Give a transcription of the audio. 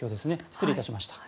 失礼いたしました。